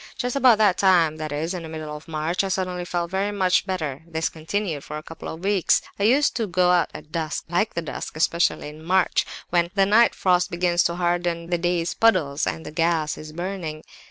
"Just about that time, that is, the middle of March, I suddenly felt very much better; this continued for a couple of weeks. I used to go out at dusk. I like the dusk, especially in March, when the night frost begins to harden the day's puddles, and the gas is burning.